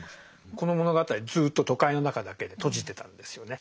この物語ずっと都会の中だけで閉じてたんですよね。